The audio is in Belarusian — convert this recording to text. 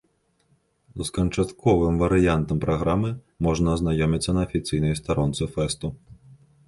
З канчатковым варыянтам праграмы можна азнаёміцца на афіцыйнай старонцы фэсту.